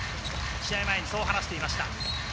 試合前にそう話していました。